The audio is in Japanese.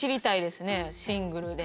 シングルで。